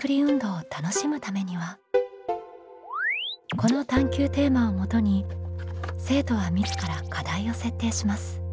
この探究テーマをもとに生徒は自ら課題を設定します。